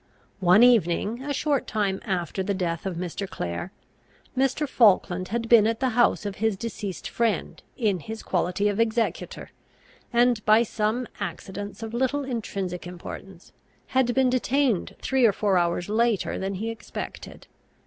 One evening, a short time after the death of Mr. Clare, Mr. Falkland had been at the house of his deceased friend in his quality of executor, and, by some accidents of little intrinsic importance, had been detained three or four hours later than he expected.